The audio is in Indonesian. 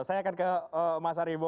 saya akan ke mas aribo